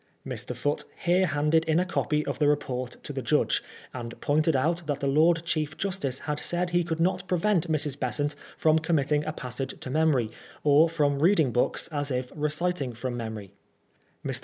[Mr. Foote here handed in a copy of the report to the judge, and pointed out that the Lord Chief Justice had said he could not prevent Mrs. Besant from committing a passage to memory, or from reading books as if reciting from memory]. Mr.